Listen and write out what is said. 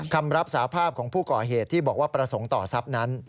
คำรับสาภาพของผู้ก่อเหตุที่บอกว่าประสงค์ต่อทรัพย์นั้น